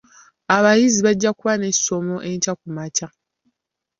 Abayizi bajja kuba n'essomo enkya kumakya.